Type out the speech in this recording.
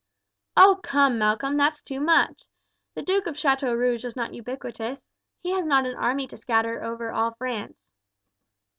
"Oh come, Malcolm, that's too much! The Duke of Chateaurouge is not ubiquitous. He has not an army to scatter over all France."